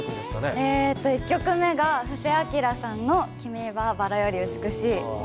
１曲目が布施明さんの『君は薔薇より美しい』。